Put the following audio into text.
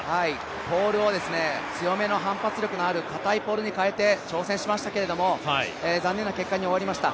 ポールを強めの反発力のある固いポールに変えて挑戦しましたけれども、残念な結果に終わりました。